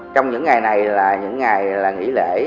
trong những ngày này là những ngày nghỉ lễ